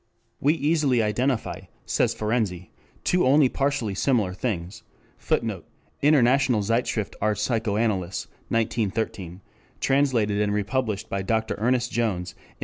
We easily identify, says Ferenczi, two only partially similar things: [Footnote: Internat. Zeitschr, f. Arztl. Psychoanalyse, 1913. Translated and republished by Dr. Ernest Jones in S.